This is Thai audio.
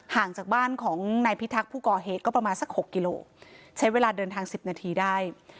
ห่างจากบ้านของนายพิทักษ์ผู้ก่อเหตุก็ประมาณสักหกกิโลใช้เวลาเดินทางสิบนาทีได้